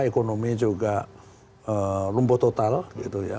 ekonomi juga lumpuh total gitu ya